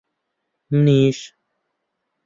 منیش!